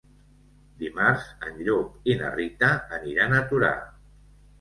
Dimarts en Llop i na Rita aniran a Torà.